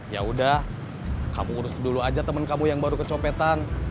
ya udah kamu urus dulu aja temen kamu yang baru kecopetan